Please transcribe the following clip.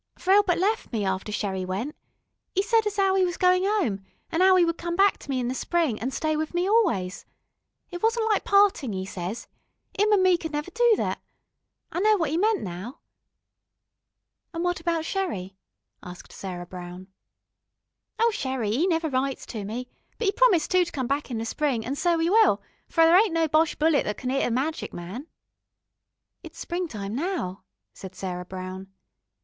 For Elbert left me after Sherrie went. 'E said as 'ow 'e was going 'ome, an' as 'ow 'e would come back to me in the Spring, an' stay with me always. It wasn't like partin', e' ses, 'im an' me could never do thet. I know what 'e meant, now...." "And what about Sherrie?" asked Sarah Brown. "Oh, Sherrie, 'e never writes to me. But 'e promised too to come back in the Spring, an' so 'e will, for there ain't no Boche bullet that can 'it a magic man." "It's springtime now," said Sarah Brown.